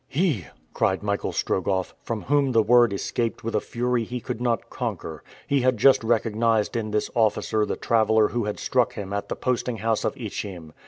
"He!" cried Michael Strogoff, from whom the word escaped with a fury he could not conquer. He had just recognized in this officer the traveler who had struck him at the posting house of Ichim.